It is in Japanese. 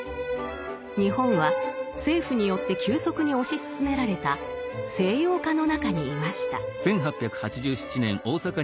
日本は政府によって急速に推し進められた西洋化の中にいました。